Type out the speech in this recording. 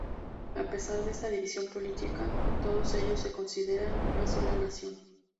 A pesar de esta división política, todos ellos se consideran una sola nación.